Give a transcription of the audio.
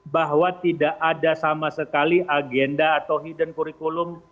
bahwa tidak ada sama sekali agenda atau hidden kurikulum